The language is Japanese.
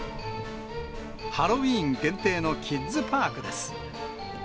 ハロウィーン限定のキッズパークです。